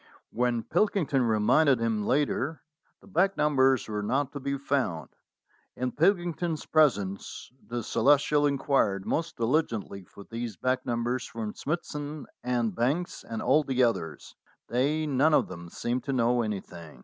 When Pilkington reminded him later, the back numbers were not to be found. In Pilkington's presence the Celestial inquired most diligently for these back numbers from Smithson and Banks and all the others. They none of them seemed to know anything.